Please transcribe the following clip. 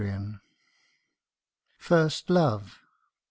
2G5 FIRST LOVE.